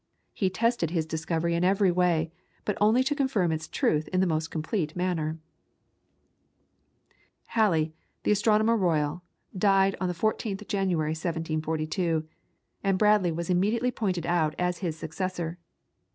He tested his discovery in every way, but only to confirm its truth in the most complete manner. Halley, the Astronomer Royal, died on the 14th, January, 1742, and Bradley was immediately pointed out as his successor.